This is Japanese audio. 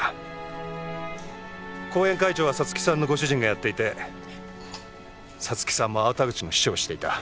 後援会長は五月さんのご主人がやっていて五月さんも粟田口の秘書をしていた。